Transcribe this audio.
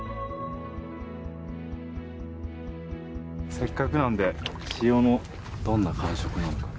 せっかくなんで塩のどんな感触なんだろう？